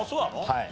はい。